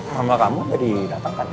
mama kamu udah didatangkan ya